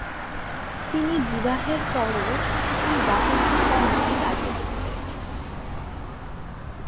তিনি বিবাহের পরেও এই দাতব্য কর্ম চালিয়ে যেতে পেরেছিলেন।